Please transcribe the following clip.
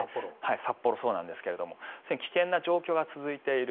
札幌、そうなんですが危険な状況が続いている。